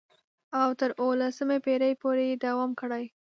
او تر اوولسمې پېړۍ پورې یې دوام کړی.